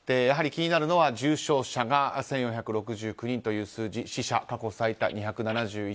気になるのは重症者が１４６９人という数字死者、過去最多の２７１人。